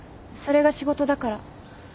それが仕事だから。